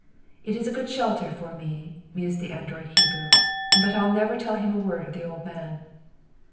"It's a good shelter for me," mused the adroit Hebrew, "but I'll never tell him a word of the old man."